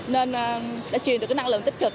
nên đã truyền được năng lượng tích cực